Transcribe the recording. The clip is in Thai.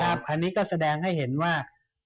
อันนี้ก็แสดงให้เห็นว่า